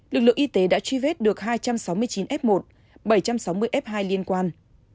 lực lượng y tế đã truy vết được hai trăm sáu mươi chín f một bảy trăm sáu mươi f hai liên quan